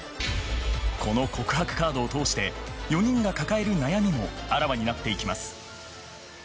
この告白カードを通して４人が抱える悩みもあらわになっていきます。